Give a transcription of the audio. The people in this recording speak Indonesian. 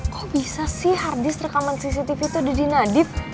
kok bisa sih harddisk rekaman cctv itu udah di nadif